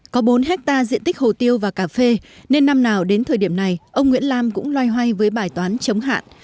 có bốn hectare diện tích hồ tiêu và cà phê nên năm nào đến thời điểm này ông nguyễn lam cũng loay hoay với bài toán chống hạn